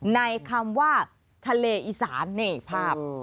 ในคำว่าทะเลอีสานนี่ภาพ